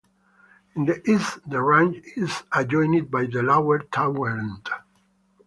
In the east, the range is adjoined by the Lower Tauern.